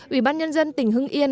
ủy ban nhân dân tỉnh hương yên